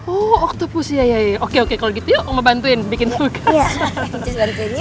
oh oktopus oke oke kalau gitu yuk ma bantuin bikin tugas